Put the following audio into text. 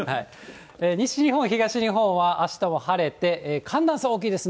西日本、東日本は、あしたも晴れて、寒暖差は大きいです。